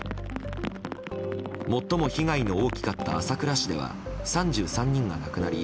最も被害の大きかった朝倉市では３３人が亡くなり